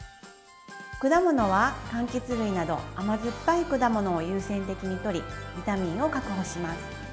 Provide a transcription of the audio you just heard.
果物はかんきつ類など甘酸っぱい果物を優先的にとりビタミンを確保します。